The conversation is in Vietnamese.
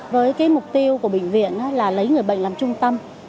với mục tiêu của bệnh viện là lấy người bệnh làm trung tâm